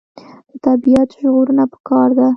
د طبیعت ژغورنه پکار ده.